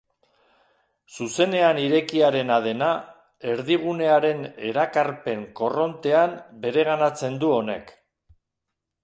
Zuzenean irekiarena dena, erdigunearen erakarpen korrontean bereganatzen du honek.